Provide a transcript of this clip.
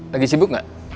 lagi sibuk gak